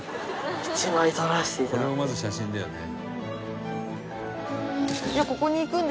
「これはまず写真だよね」